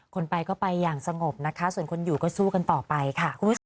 คนไปก็ไปอย่างสงบนะคะส่วนคนอยู่ก็สู้กันต่อไปค่ะคุณผู้ชม